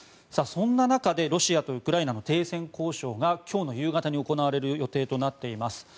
そんな中でロシアとウクライナの停戦交渉が今日の夕方に行われる予定となっています。